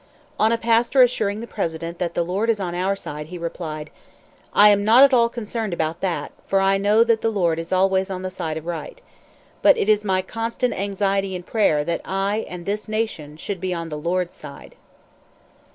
On a pastor assuring the President that "the Lord is on our side!" he replied: "I am not at all concerned about that, for I know that the Lord is always on the side of the right. But it is my constant anxiety and prayer that I and this nation should be on the Lord's side."